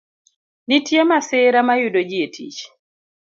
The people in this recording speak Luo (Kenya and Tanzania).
Nitie masira ma yudo ji e tich.